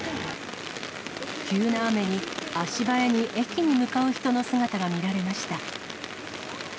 急な雨に足早に駅に向かう人の姿が見られました。